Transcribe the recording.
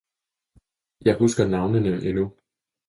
jeg husker Navnene endnu.